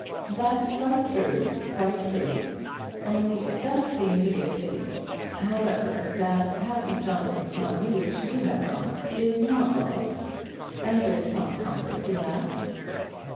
"That's quite true; quite true; only it does seem to be a pity. However, that half of Jonathan's money which you have got, is not lost, and there's some comfort in that."